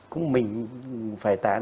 cũng mình phải tán